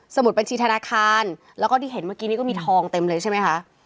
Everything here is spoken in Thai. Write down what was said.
มุดบัญชีธนาคารแล้วก็ที่เห็นเมื่อกี้นี้ก็มีทองเต็มเลยใช่ไหมคะ